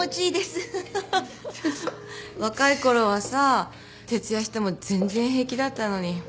若いころはさ徹夜しても全然平気だったのに。